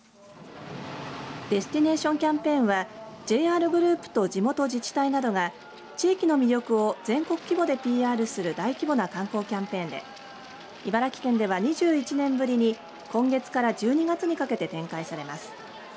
デスティネーションキャンペーンはＪＲグループと地元自治体などが地域の魅力を全国規模でＰＲする大規模な観光キャンペーンで茨城県では２１年ぶりに今月から１２月にかけて展開されます。